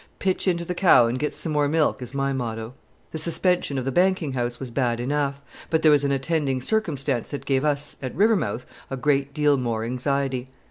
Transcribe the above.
Pitch into the cow and get some more milk, is my motto." The suspension of the banking house was bad enough, but there was an attending circumstance that gave us, at Rivermouth, a great deal more anxiety.